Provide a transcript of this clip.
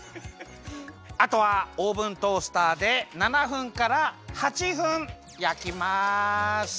あとはオーブントースターで７分から８分やきます！